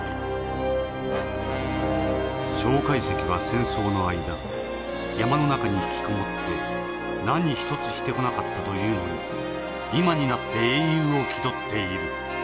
「介石は戦争の間山の中に引きこもって何一つしてこなかったというのに今になって英雄を気取っている。